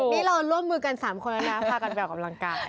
นี่เราร่วมมือกัน๓คนแล้วนะพากันไปออกกำลังกาย